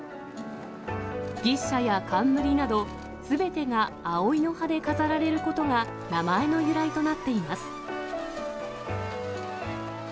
牛車や冠など、すべてが葵の葉で飾られることが名前の由来となっています。